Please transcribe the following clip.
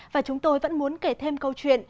và chúng tôi vẫn muốn kể thêm câu chuyện